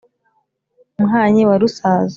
muhanyi wa rusaza,